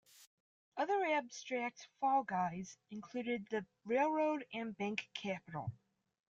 Other abstract 'fall guys' included the railroad and bank capital.